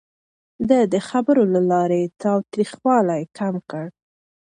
ده د خبرو له لارې تاوتريخوالی کم کړ.